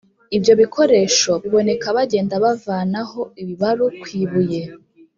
Ibyo bikoresho biboneka bagenda bavanaho ibibaru ku ibuye